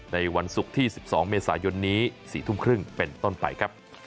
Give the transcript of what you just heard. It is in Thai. ในวันศุกร์ที่๑๒เมษายนนี้๔ทุ่มครึ่งเป็นต้นไปครับ